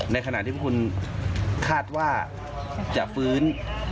ในขณะที่พวกคุณคาดว่าจะฟื้น